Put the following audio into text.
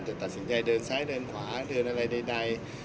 ตัดสินใจเดินซ้ายเดินขวาเดินอะไรใด